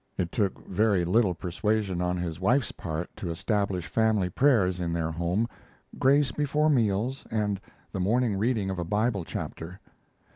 It took very little persuasion on his wife's part to establish family prayers in their home, grace before meals, and the morning reading of a Bible chapter.